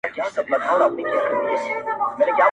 شايد چې خوښ شي که په غم يې کړي سيرآب سړی